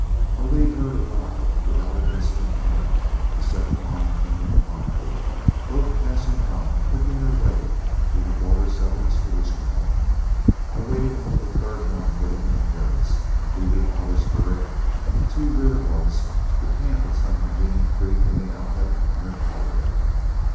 Our lead herd arrived without an incident en route. The second one came in promptly, both passing on and picking their way through the border settlements to Wichita. I waited until the third one put in an appearance, leaving orders for it and the two rear ones to camp on some convenient creek in the Outlet near Caldwell.